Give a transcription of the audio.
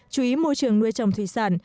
chú ý môi trường nuôi trồng thủy sản